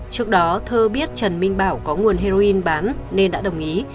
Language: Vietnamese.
trước đó thơ biết trần minh bảo có nguồn heroin bán nên đã đồng ý